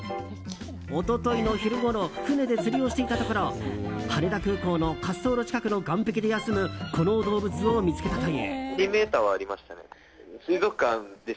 一昨日の昼ごろ船で釣りをしていたところ羽田空港の滑走路近くの岸壁で休むこの動物を見つけたという。